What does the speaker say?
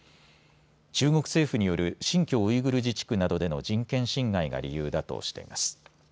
中国政府による新疆ウイグル自治区などでの人権侵害が理由だとしています。